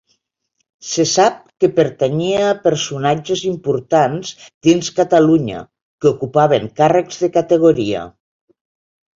Se sap que pertanyia a personatges importants dins Catalunya, que ocupaven càrrecs de categoria.